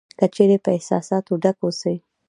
که چېرې په احساساتو ډک اوسې .